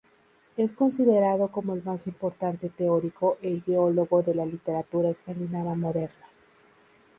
Es considerado como el más importante teórico e ideólogo de la literatura escandinava moderna.